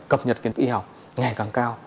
cập nhật kiến thức y học ngày càng cao